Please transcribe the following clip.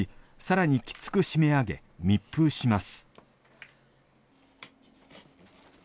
針を外し、さらにきつく締め上げ密封します。